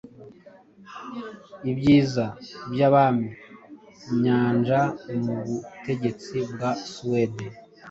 Ibyiza byabami-nyanjamubutegetsi bwa Suwede